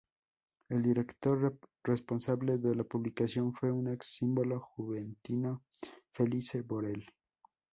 El director responsable de la publicación fue un ex-símbolo juventino, Felice Borel.